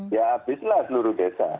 ya abislah seluruh desa